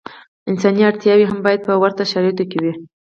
انساني اړتیاوې یې هم باید په ورته شرایطو کې وي.